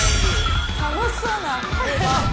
楽しそうな映画。